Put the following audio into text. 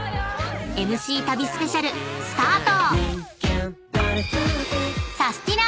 ［ＭＣ旅スペシャルスタート！］